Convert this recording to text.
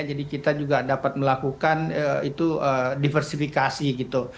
jadi kita juga dapat melakukan diversifikasi gitu